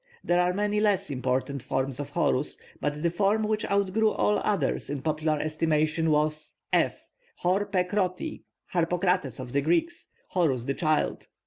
There are many less important forms of Horus, but the form which outgrew all others in popular estimation was (F) Hor pe khroti, Harpokrates of the Greeks, 'Horus the child.'